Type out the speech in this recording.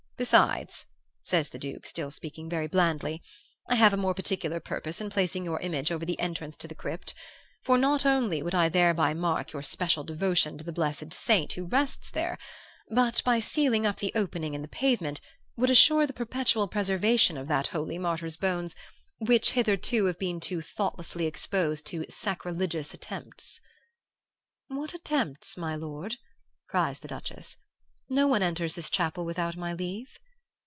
Besides,' says the Duke, still speaking very blandly, 'I have a more particular purpose in placing your image over the entrance to the crypt; for not only would I thereby mark your special devotion to the blessed saint who rests there, but, by sealing up the opening in the pavement, would assure the perpetual preservation of that holy martyr's bones, which hitherto have been too thoughtlessly exposed to sacrilegious attempts.' "'What attempts, my lord?' cries the Duchess. 'No one enters this chapel without my leave.